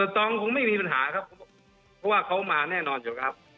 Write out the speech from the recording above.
ตองคงไม่มีปัญหาครับเพราะว่าเขามาแน่นอนอยู่แล้วครับ